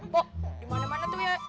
bok dimana mana tuh ya